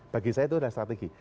bagi saya itu adalah strategi